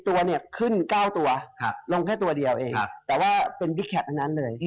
๑๐ตัวเนี่ยขึ้น๙ตัวลงแค่ตัวเดียวเอง